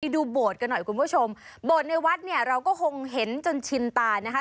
ดูโบสถ์กันหน่อยคุณผู้ชมโบสถ์ในวัดเนี่ยเราก็คงเห็นจนชินตานะคะ